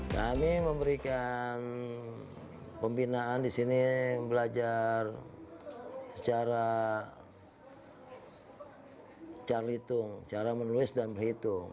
kami memberikan pembinaan di sini belajar secara hitung cara menulis dan berhitung